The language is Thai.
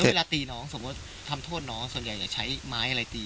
เวลาตีน้องสมมุติทำโทษน้องส่วนใหญ่จะใช้ไม้อะไรตี